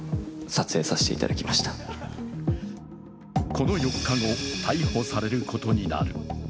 この４日後逮捕されることになる。